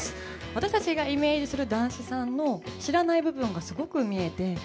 私たちがイメージする談志さんの知らない部分がすごく見えて。